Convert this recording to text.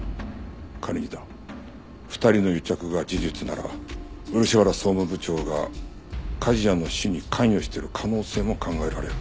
仮にだ２人の癒着が事実なら漆原総務部長が梶谷の死に関与してる可能性も考えられる。